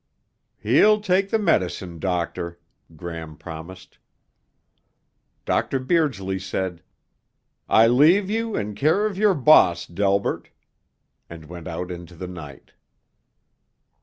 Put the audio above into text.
"He'll take the medicine, Doctor," Gram promised. Dr. Beardsley said, "I leave you in care of your boss, Delbert," and went out into the night.